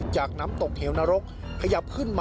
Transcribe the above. เจ้าหน้าที่ถ้าแบบนั้นล่ะ